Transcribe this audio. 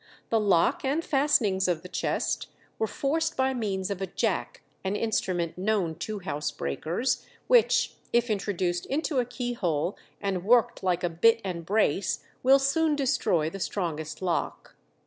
The lock and fastenings of the chest were forced by means of a "jack," an instrument known to housebreakers, which if introduced into a keyhole, and worked like a bit and brace, will soon destroy the strongest lock.